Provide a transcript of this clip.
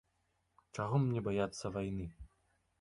Чаго мне баяцца вайны?